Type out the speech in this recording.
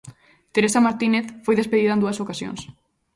Teresa Martínez foi despedida en dúas ocasións.